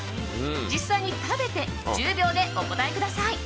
実際に食べて１０秒でお答えください。